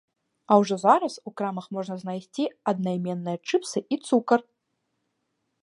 А ўжо зараз у крамах можна знайсці аднайменныя чыпсы і цукар.